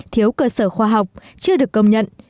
thiếu cơ sở khoa học chưa được công nhận